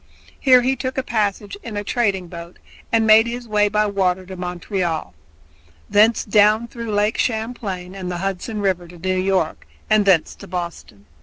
Here he took a passage in a trading boat and made his way by water to Montreal, thence down through Lake Champlain and the Hudson River to New York, and thence to Boston.